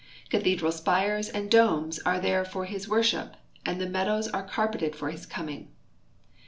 Cathedral s{)ires and domes are there for his worship and the meadows are carpeted for his coming.